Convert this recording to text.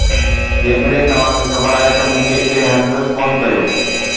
جيڪڏهن توهان کي خبر آهي ته مون کي ڪنهن هنڌ فون ڪريو